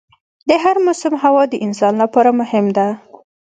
د هر موسم هوا د انسان لپاره مهم ده.